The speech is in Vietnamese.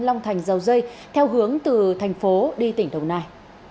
long thành dầu dây theo hướng từ thành phố đi tỉnh đồng nai